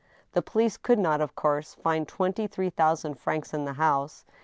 The police could not, of course, find twenty three thou sand francs in the house.